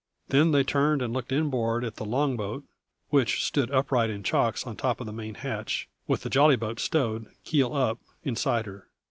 Then they turned and looked inboard at the long boat, which stood upright in chocks, on top of the main hatch, with the jolly boat stowed, keel up, inside her.